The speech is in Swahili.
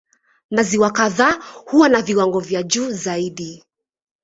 Maziwa kadhaa huwa na viwango vya juu zaidi.